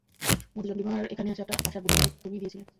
মধুচন্দ্রিমার এখানে আসার বুদ্ধিটা তো তুমিই দিয়েছিলে!